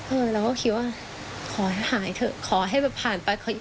เราก็คิดว่าขอให้หายเถอะขอให้แบบผ่านไป